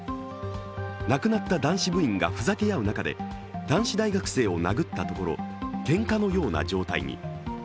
亡くなった男子部員がふざけ合う中で男子大学生を殴ったところけんかのような状態に。